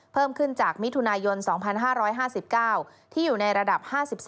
เพิ่มขึ้นจากมิถุนายน๒๕๕๙ที่อยู่ในระดับ๕๓